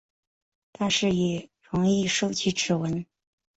但是也很容易收集指纹。